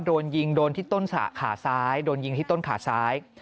โดนยิงโดนที่ต้นสระขาซ้ายโดนยิงที่ต้นขาซ้าย